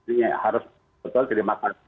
ini harus betul terima kasih